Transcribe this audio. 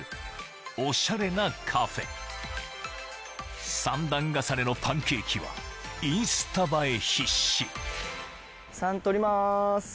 ９０年以上の３段重ねのパンケーキはインスタ映え必至３取ります。